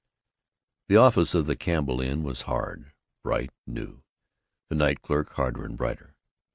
The office of the Campbell Inn was hard, bright, new; the night clerk harder and brighter.